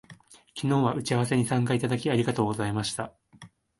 昨日は打ち合わせに参加いただき、ありがとうございました